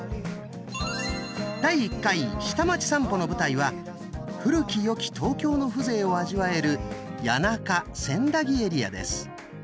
第１回下町さんぽの舞台は古き良き東京の風情を味わえる谷中・千駄木エリアです。